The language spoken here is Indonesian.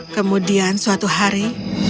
kemudian suatu hari